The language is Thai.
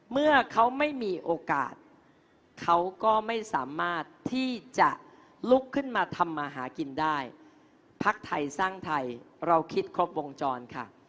เมื่อเขาไม่มีโอกาสเขาก็ไม่สามารถที่จะลุกขึ้นมาทำมาหากินได้พักไทยสร้างไทยเราคิดครบวงจรค่ะ